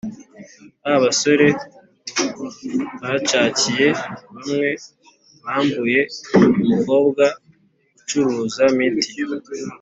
ba basore bacakiye bamwe bambuye umukobwa ucuruza mituyu